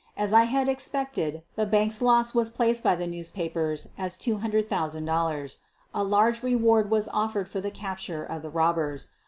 As I had expected, the bank's loss was placed by the newspapers at $200, 000. A large reward was offered for the capture of the robbers.